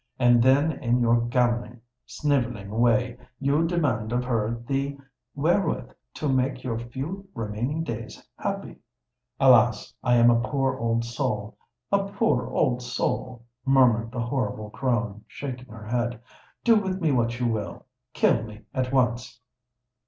And then, in your gammoning, snivelling way, you demand of her the 'wherewith to make your few remaining days happy!'" "Alas! I am a poor old soul—a poor old soul!" murmured the horrible crone, shaking her head. "Do with me what you will—kill me at once!"